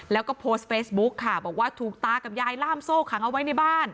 แล้วก็โพสต์เฟซบุ๊คค่ะบอกว่าถูกตากับยายล่ามโซ่ขังเอาไว้ในบ้าน